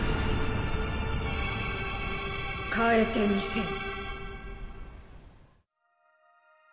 変えてみせる。